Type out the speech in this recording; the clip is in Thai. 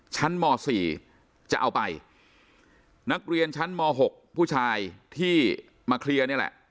ชั้นม๔จะเอาไปนักเรียนชั้นม๖ผู้ชายที่มาเคลียร์นี่แหละ